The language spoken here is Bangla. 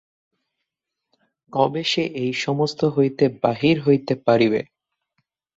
কবে সে এই সমস্ত হইতে বাহির হইতে পারিবে।